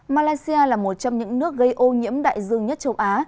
malaysia là một trong những nước gây ô nhiễm đại dương nhất châu á